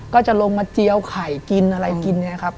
ก็จะลงมาเจียวไข่กินอะไรกินเนี่ยครับ